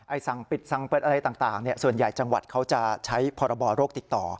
สั่งปิดสั่งเปิดอะไรต่างส่วนใหญ่จังหวัดเขาจะใช้พรบโรคติดต่อ